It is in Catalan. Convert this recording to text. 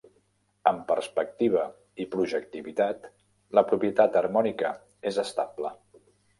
Amb perspectiva i projectivitat, la propietat harmònica és estable.